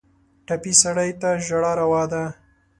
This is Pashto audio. ټپي سړی ته ژړا روا ده.